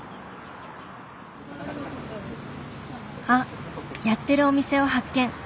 あっやってるお店を発見。